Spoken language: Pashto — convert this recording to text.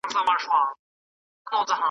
تر خلوته به دي درسي د رندانو آوازونه .